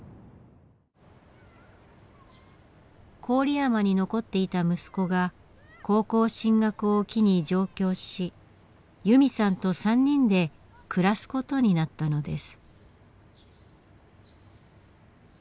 郡山に残っていた息子が高校進学を機に上京し由美さんと３人で暮らすことになったのです。